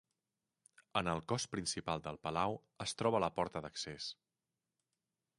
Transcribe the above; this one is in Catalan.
En el cos principal del palau es troba la porta d'accés.